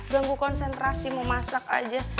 ganggu konsentrasi mau masak aja